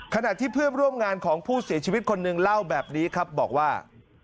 ขณะที่เพื่อนร่วมงานของผู้เสียชีวิตคนหนึ่งเล่าแบบนี้ครับบอกว่า